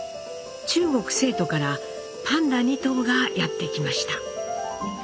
中国成都からパンダ２頭がやって来ました。